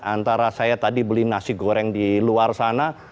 antara saya tadi beli nasi goreng di luar sana